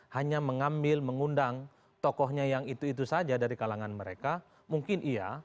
hanya mengambil mengundang tokohnya yang itu itu saja dari kalangan mereka mungkin iya